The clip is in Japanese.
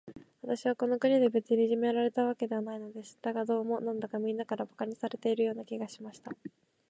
私はこの国で、別にいじめられたわけではないのです。だが、どうも、なんだか、みんなから馬鹿にされているような気がしました。